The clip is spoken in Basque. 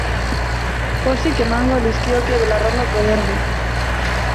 Pozik emango lizkioke belarrondoko eder-eder bi.